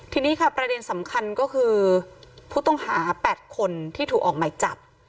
ทีนี้ค่ะประเด็นสำคัญก็คือผู้ต้องหา๘คนที่ถูกออกหมายจับ